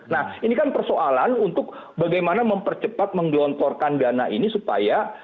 nah ini kan persoalan untuk bagaimana mempercepat menggelontorkan dana ini supaya